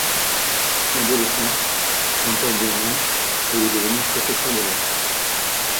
Adolescent, Jean-Paul Guerlain voulait devenir professeur de lettres.